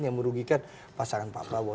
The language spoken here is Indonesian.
yang merugikan pasangan pak prabowo